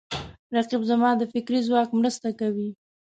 رقیب زما د فکري ځواک مرسته کوي